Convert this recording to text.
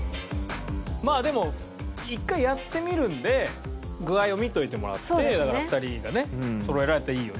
まあでも一回やってみるんで具合を見といてもらってだから２人がねそろえられたらいいよね。